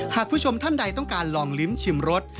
ผู้ชมท่านใดต้องการลองลิ้มชิมรส